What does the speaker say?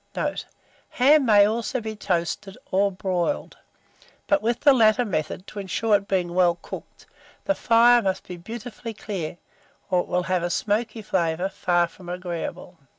Note. Ham may also be toasted or broiled; but, with the latter method, to insure its being well cooked, the fire must be beautifully clear, or it will have a smoky flavour far from agreeable.